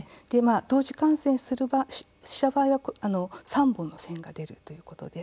同時感染した場合は３本の線が出るということです。